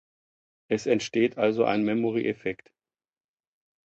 Es entsteht also ein Memory-Effekt.